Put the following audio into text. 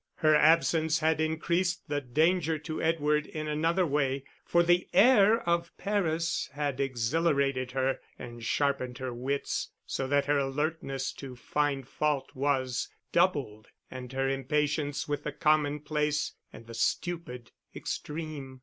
Her absence had increased the danger to Edward in another way, for the air of Paris had exhilarated her and sharpened her wits so that her alertness to find fault was doubled and her impatience with the commonplace and the stupid, extreme.